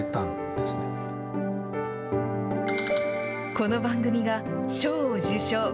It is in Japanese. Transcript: この番組が賞を受賞。